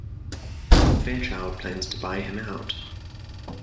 Fairchild plans to buy him out.